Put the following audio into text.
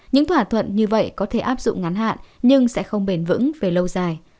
những thỏa thuận như vậy có thể áp dụng ngắn hạn nhưng sẽ không bền vững về lâu dài